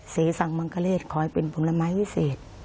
เสสั่งมังคเลศขอให้เป็นผลไม้วิเศษ